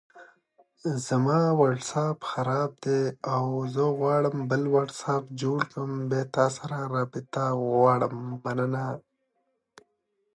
د پرېکړو وضاحت مهم دی